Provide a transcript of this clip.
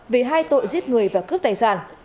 vì hai tội giết người và cướp tài sản